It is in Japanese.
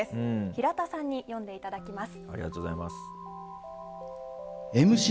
平田さんに読んでいただきます。